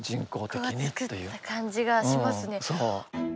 人が作った感じがしますね。